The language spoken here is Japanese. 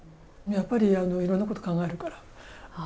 やっぱりいろんなことを考えるから。